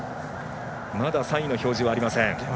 まだ３位の表示はありません。